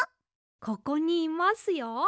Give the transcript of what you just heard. ここにいますよ。